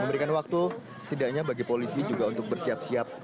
memberikan waktu setidaknya bagi polisi juga untuk bersiap siap